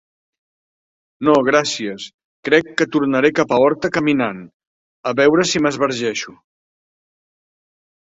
No, gràcies, crec que tornaré cap a Horta caminant, a veure si m'esbargeixo.